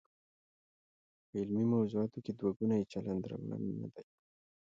په علمي موضوعاتو کې دوه ګونی چلند روا نه دی.